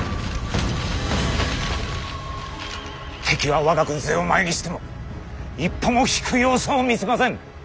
敵は我が軍勢を前にしても一歩も引く様子を見せません。